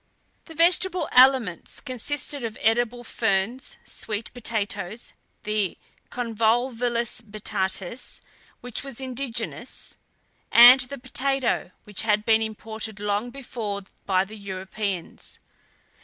The vegetable aliments consisted of edible ferns, sweet potatoes, the "convolvulus batatas," which was indigenous, and the potato which had been imported long before by the Europeans.